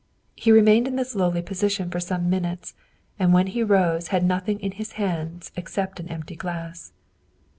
He remained in this lowly position for some minutes, and when he rose held nothing in his hands except an empty glass.